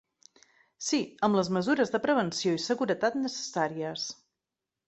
Sí, amb les mesures de prevenció i seguretat necessàries.